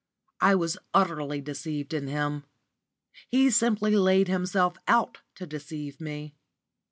I was utterly deceived in him. He simply laid himself out to deceive me.